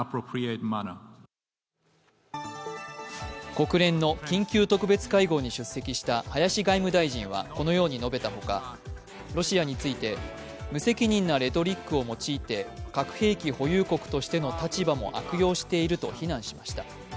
国連の緊急特別会合に出席した林外務大臣はこのように述べたほか、ロシアについて無責任なレトリックを用いて核兵器保有国としての立場も悪用していると非難しました。